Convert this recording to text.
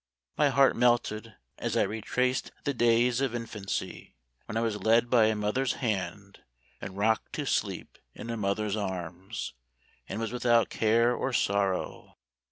My heart melted as I retraced the days of in 134 Memoir of Washington Irving. fancy, when I was led by a mother's hand, and rocked to sleep in a mother's arms, and was without care or sorrow.